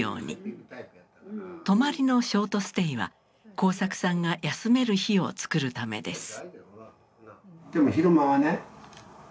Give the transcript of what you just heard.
泊まりのショートステイは耕作さんが休める日を作るためです。